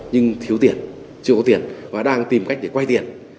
nhưng thiếu tiền chưa có tiền và đang tìm cách để quay tiền